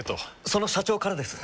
その社長からです。